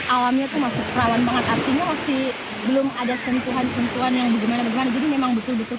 alamnya masih perawan banget artinya masih belum ada sentuhan sentuhan yang bagaimana memang betul betul